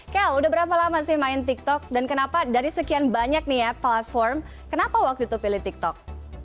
kele udah berapa lama sih main tiktok dan kenapa dari sekian banyak nih ya platform kenapa waktu itu pilih tiktok